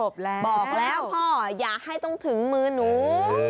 บอกแล้วพ่ออย่าให้ต้องถึงมือหนู